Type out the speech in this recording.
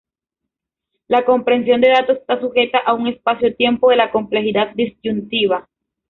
La compresión de datos está sujeta a un espacio-tiempo de la complejidad disyuntiva.